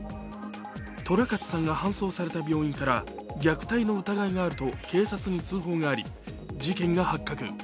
寅勝さんが搬送された病院から虐待の疑いがあると警察に通報があり事件が発覚。